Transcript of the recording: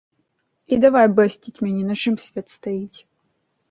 І давай бэсціць мяне на чым свет стаіць.